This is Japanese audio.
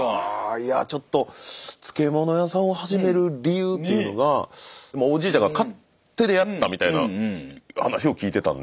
いやちょっと漬物屋さんを始める理由というのがおじいちゃんが勝手でやったみたいな話を聞いてたんで。